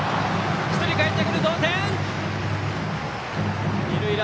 １人かえってくる！